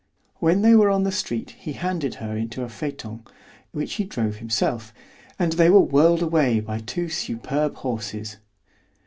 When they were on the street he handed her into a phaeton, which he drove himself, and they were whirled away by two superb horses.